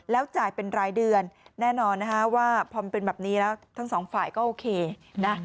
แล้วจ่ายเป็นรายเดือนแน่นอนนะคะว่าพอมันเป็นแบบนี้แล้วทั้งสองฝ่ายก็โอเคนะ